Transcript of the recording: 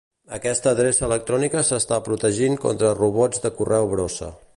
Aquesta adreça electrònica s'està protegint contra robots de correu brossa.